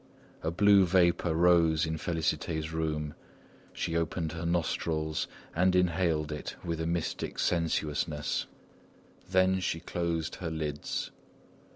A blue vapour rose in Félicité's room. She opened her nostrils and inhaled it with a mystic sensuousness; then she closed her lids.